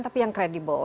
tapi yang kredibel